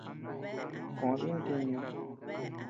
Koʼö dï ntiñu.